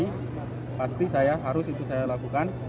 jadi pasti saya harus itu saya lakukan